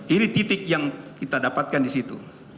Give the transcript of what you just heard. ini titik yang kita dapatkan di situ